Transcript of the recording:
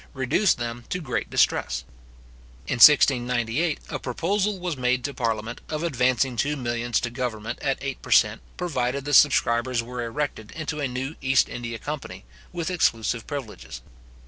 reduced them to great distress. In 1698, a proposal was made to parliament, of advancing two millions to government, at eight per cent. provided the subscribers were erected into a new East India company, with exclusive privileges.